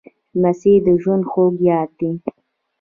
لمسی د ژوند خوږ یاد دی.